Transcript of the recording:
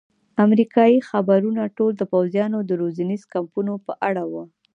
امریکایي خبرونه ټول د پوځیانو د روزنیزو کمپونو په اړه وو.